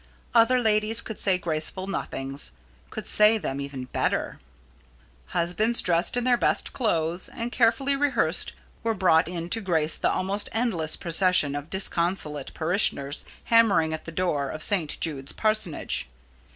Other ladies could say graceful nothings could say them even better. Husbands dressed in their best clothes and carefully rehearsed were brought in to grace the almost endless procession of disconsolate parishioners hammering at the door of St. Jude's parsonage.